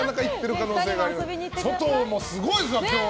外、すごいですね、今日！